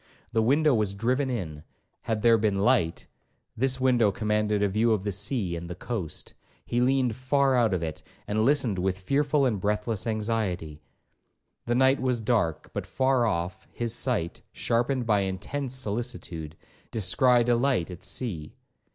The window was driven in;—had there been light, this window commanded a view of the sea and the coast. He leaned far out of it, and listened with fearful and breathless anxiety. The night was dark, but far off, his sight, sharpened by intense solicitude, descried a light at sea.